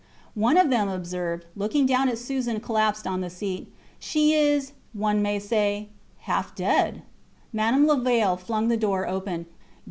One of them observed, looking down at Susan collapsed on the seat: She is one may say half dead. Madame Levaille flung the door open.